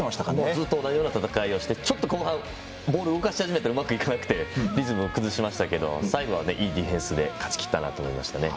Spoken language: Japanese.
ずっと同じような戦い方をして、ちょっと後半ボールを動かし始めたらうまくいかなくてリズム崩しかけましたが最後はいいディフェンスで勝ちきりましたね。